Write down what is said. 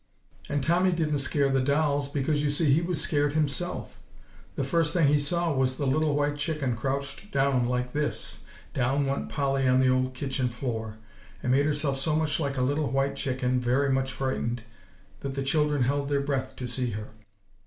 "And Tommy didn't scare the dolls, because you see he was scared himself. The first thing he saw was the little white chicken crouched down like this." Down went Polly on the old kitchen floor, and made herself so much like a little white chicken very much frightened, that the children held their breath to see her.